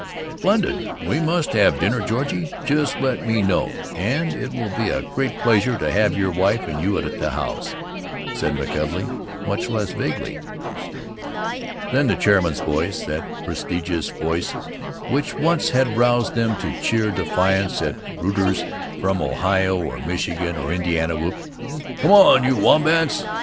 "Splendid! We must have dinner together, Georgie. Just let me know. And it will be a great pleasure to have your wife and you at the house," said McKelvey, much less vaguely. Then the chairman's voice, that prodigious voice which once had roused them to cheer defiance at rooters from Ohio or Michigan or Indiana, whooped, "Come on, you wombats!